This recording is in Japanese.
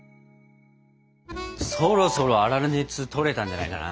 そろそろ粗熱とれたんじゃないかな。